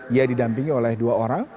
ia didampingi oleh dua orang